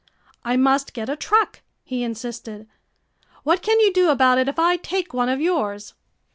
"I must get a truck," he insisted. "What can you do about it if I take one of yours?"